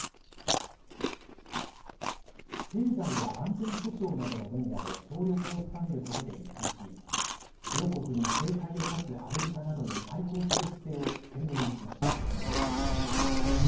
経済や安全保障などの分野で協力を深めることで一致し両国に制裁を科すアメリカなどに対抗する姿勢を鮮明にしました。